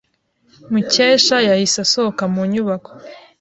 Mukesha yahise asohoka mu nyubako.